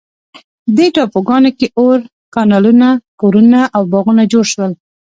دې ټاپوګانو کې اور، کانالونه، کورونه او باغونه جوړ شول.